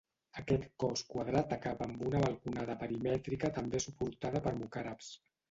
Aquest cos quadrat acaba amb una balconada perimètrica també suportada per mocàrabs.